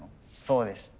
そうです。